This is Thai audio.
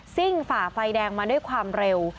่งฝ่าไฟแดงมาด้วยความเร็ว